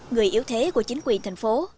người yếu thế của chính quyền thành phố